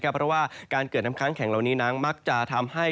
เพราะว่าการเกิดน้ำค้างแข็งเหล่านี้นั้นมักจะทำให้